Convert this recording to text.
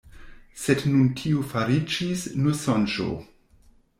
Sed nun tio fariĝis nur sonĝo.